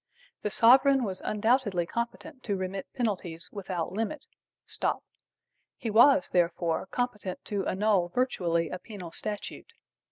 The sovereign was undoubtedly competent to remit penalties without limit. He was, therefore, competent to annul virtually a penal statute.